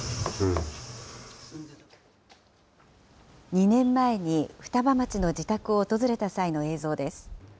２年前に双葉町の自宅を訪れた際の映像です。